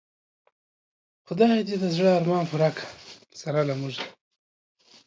خدای دی د زړه ارمان پوره که سره له مونږه